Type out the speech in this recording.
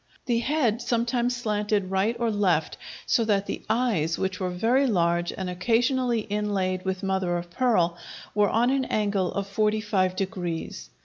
The head sometimes slanted right or left, so that the eyes, which were very large and occasionally inlaid with mother of pearl, were on an angle of forty five degrees.